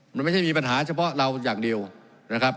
มันไม่ใช่มีปัญหาเฉพาะเราอย่างเดียวนะครับ